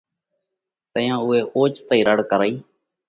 تئيون اُوئہ اوچتئِي رڙ ڪرئِي۔